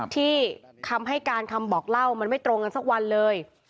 ที่คำให้การคำบอกเล่ามันไม่ตรงกันสักวันเลย